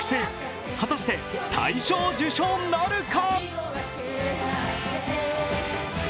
果たして大賞受賞なるか。